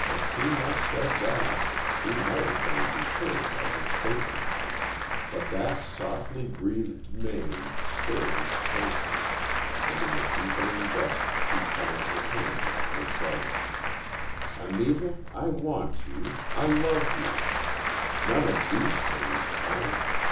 Had she not said that, he might have been deterred by her statements, but that softly breathed name, stirred his pulses, and in the deepening dusk he found her hand and said: "Anita, I want you—I love you—none of these things count.